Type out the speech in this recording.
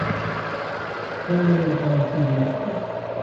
Cando vai parar todo isto?